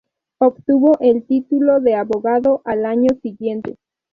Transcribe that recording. Obtuvo el título de abogado al año siguiente.